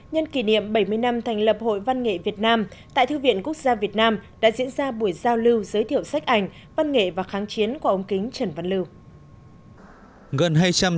nhân kỷ niệm bảy mươi năm thành lập hội văn nghệ việt nam tại thư viện quốc gia việt nam đã diễn ra buổi giao lưu giới thiệu sách ảnh văn nghệ và kháng chiến của ông kính trần văn lưu